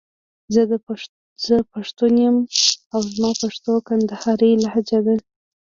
زه پښتون يم او زما پښتو کندهارۍ لهجه ده.